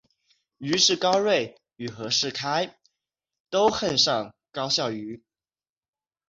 于是高睿与和士开都恨上高孝瑜。